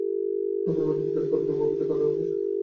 তার কতরকমের প্রকৃতি, কতরকমের প্রবৃত্তি, কতরকমের প্রয়োজন?